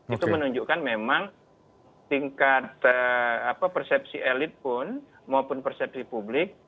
itu menunjukkan memang tingkat persepsi elit pun maupun persepsi publik